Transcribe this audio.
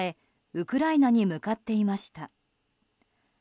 ウクライナに向かっていました。